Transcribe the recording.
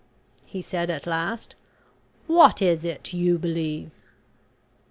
he said at last. "What is it you believe?"